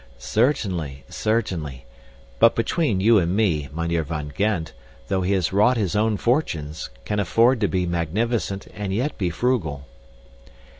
"Certainly, certainly. But, between you and me, Mynheer van Gend, though he has wrought his own fortunes, can afford to be magnificent and yet be frugal."